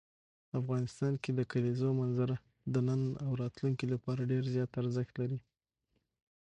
افغانستان کې د کلیزو منظره د نن او راتلونکي لپاره ډېر زیات ارزښت لري.